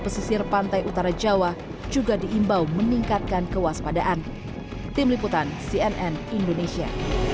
pesisir pantai utara jawa juga diimbau meningkatkan kewaspadaan tim liputan cnn indonesia